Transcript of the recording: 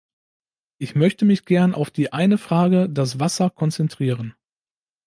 Ich möchte mich gern auf die eine Frage, das Wasser, konzentrieren.